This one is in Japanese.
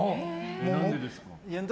何でですか？